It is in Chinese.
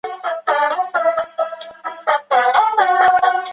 曼秀雷敦软膏仍是由乐敦制药旗下曼秀雷敦公司生产的为原创产品。